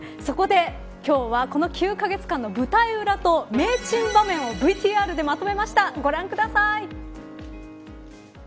今日はこの９カ月間の舞台裏と名珍場面をＶＴＲでまとめました。